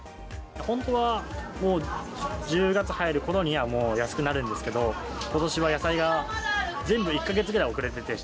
本当は１０月入るころにはもう安くなるんですけど、ことしは野菜が全部１か月ぐらい遅れてて。